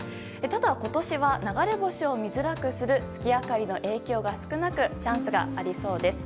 ただ今年は流れ星を見づらくする月明かりの影響が少なくチャンスがありそうです。